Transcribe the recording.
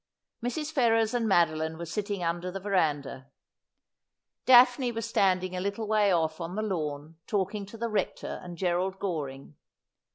Mrs. Ferrers and Madoline were sitting under the verandah; Daphne was standing a little way olf on the lawn talking to the Rector and Gerald Goring.